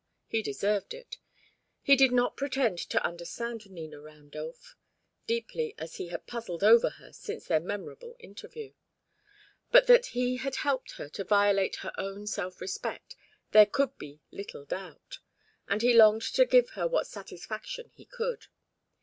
He deserved it. He did not pretend to understand Nina Randolph, deeply as he had puzzled over her since their memorable interview; but that he had helped her to violate her own self respect, there could be little doubt, and he longed to give her what satisfaction he could.